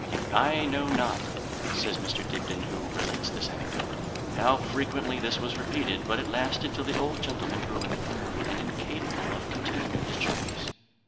"I know not (says Mr. Dibdin, who relates this anecdote), how frequently this was repeated; but it lasted till the old gentleman grew infirm, and incapable of continuing his journeys.